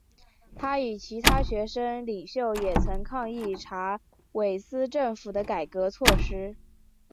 他与其他学生领袖也曾抗议查韦斯政府的改革措施。